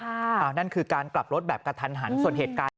นั่นคือการกลับรถแบบกระทันหันส่วนเหตุการณ์